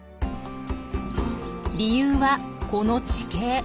理由はこの地形。